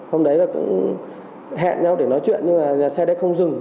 hôm đấy là cũng hẹn nhau để nói chuyện nhưng mà xe đấy không dừng